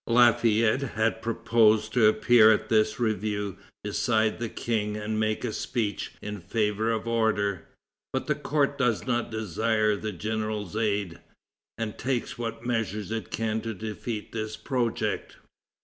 Lafayette had proposed to appear at this review beside the King and make a speech in favor of order. But the court does not desire the general's aid, and takes what measures it can to defeat this project.